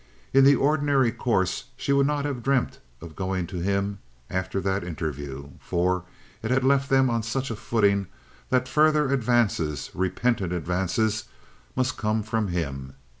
In the ordinary course she would not have dreamt of going to him after that interview, for it had left them on such a footing that further advances, repentant advances, must come from him.